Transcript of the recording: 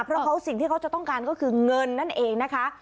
เพราะเขาสิ่งที่เขาจะต้องการก็คือเงินนั่นเองนะคะ